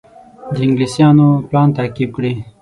د انګلیسیانو پلان تعقیب کړي.